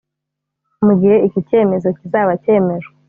Mu gihe iki cyemezo kizaba cyemejwe